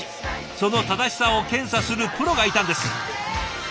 その正しさを検査するプロがいたんです。